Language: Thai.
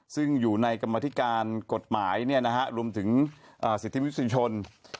ซึ่งอยู่ในกรรมธิการกฎหมายรวมถึงสิทธิมนุษยชน